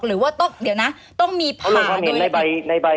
หรือว่าต้องเดี๋ยวนะต้องมีผ่านโดย